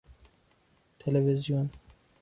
تلوزیون